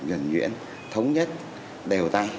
nhuận nhuyễn thống nhất đều tay